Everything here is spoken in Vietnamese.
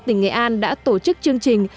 tỉnh nghệ an đã tổ chức chương trình